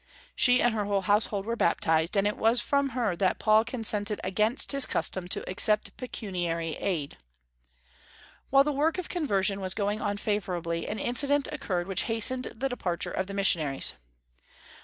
She and her whole household were baptized, and it was from her that Paul consented against his custom to accept pecuniary aid. While the work of conversion was going on favorably, an incident occurred which hastened the departure of the missionaries.